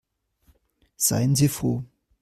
Seien Sie froh.